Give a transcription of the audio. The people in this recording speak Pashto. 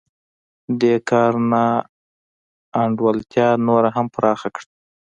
دې کار نا انډولتیا نوره هم پراخه کړه